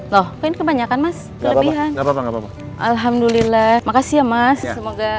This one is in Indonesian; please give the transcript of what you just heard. loh kan kebanyakan mas kelebihan alhamdulillah makasih ya mas semoga